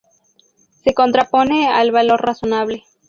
Se contrapone al valor razonable.